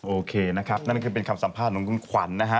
โอเคนะครับนั่นคือเป็นคำสัมภาษณ์ของคุณขวัญนะฮะ